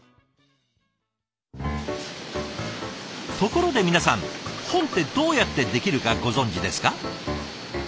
ところで皆さん本ってどうやってできるかご存じですか？